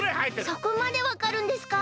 そこまでわかるんですか？